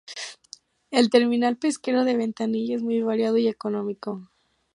El terminal pesquero de Ventanilla es muy variado y económico.